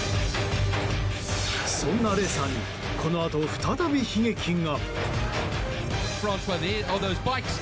そんなレーサーにこのあと再び悲劇が。